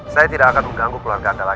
saya tidak akan mengganggu keluarga anda lain